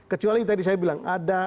kecuali tadi saya bilang